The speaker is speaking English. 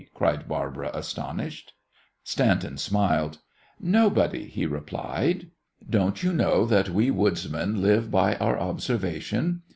cried Barbara, astonished. Stanton smiled. "Nobody," he replied. "Don't you know that we woodsmen live by our observation?